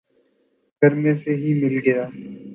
گھر میں سے ہی مل گیا